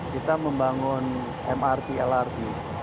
kita membangun mrt lrt